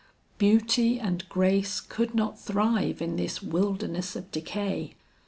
Beauty and grace could not thrive in this wilderness of decay.